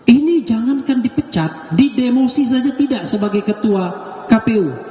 ini jangankan dipecat didemosi saja tidak sebagai ketua kpu